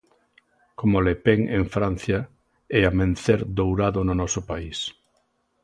Como Le Pen en Francia e Amencer Dourado no noso país.